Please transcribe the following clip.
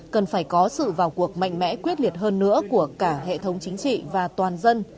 cần phải có sự vào cuộc mạnh mẽ quyết liệt hơn nữa của cả hệ thống chính trị và toàn dân